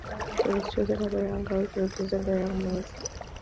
She was chosen as a young girl to represent the young maize.